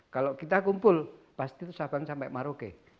kalau kita kumpul pasti itu sabang sampai maroke